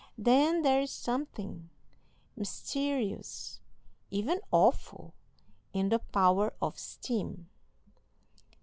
Then there is something mysterious even awful in the power of steam.